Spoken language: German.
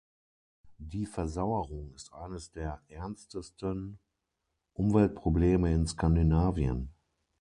Die Versauerung ist eines der ernstesten Umweltprobleme in Skandinavien.